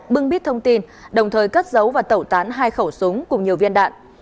bưng bít thông tin đồng thời cất giấu và tẩu tán hai khẩu súng cùng nhiều viên đạn